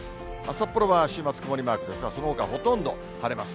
札幌は週末曇りマークですが、そのほかほとんど晴れます。